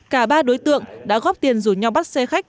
cả ba đối tượng đã góp tiền rủ nhau bắt xe khách